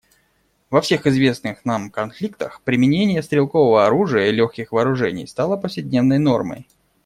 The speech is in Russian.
Во всех известных нам конфликтах применение стрелкового оружия и легких вооружений стало повседневной нормой.